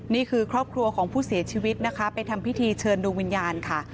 นี่คือครอบครัวของผู้เสียชีวิตนะคะไปทำพิธีเชิญดวงวิญญาณค่ะ